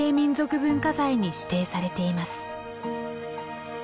文化財に指定されています。